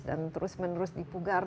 dan terus menerus dipugar